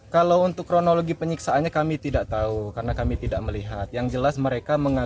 kalau untuk kronologi penyiksaannya kami tidak tahu karena kami tidak melihat yang jelas mereka mengatakan